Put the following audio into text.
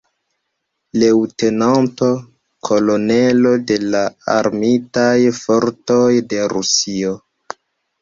Leŭtenanto Kolonelo de la Armitaj Fortoj de Rusio.